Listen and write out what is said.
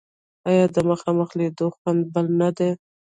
آیا د مخامخ لیدلو خوند بل نه دی؟